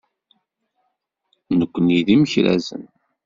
Nekkni d imekrazen.